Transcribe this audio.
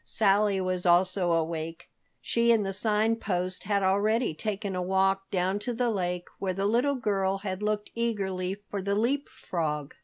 Sally was also awake. She and the Sign Post had already taken a walk down to the lake where the little girl had looked eagerly for the Leap Frog.